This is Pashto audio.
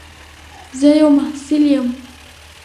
زه یو محصل یم.